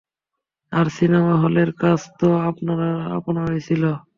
আর cinema হলের কাজ তো আপনারই ছিলো!